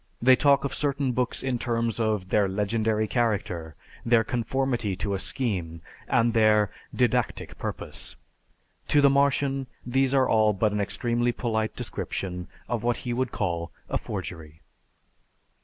They talk of certain books in terms of "their legendary character," "their conformity to a scheme," and "their didactic purpose." To the Martian these are but an extremely polite description of what he would call a forgery.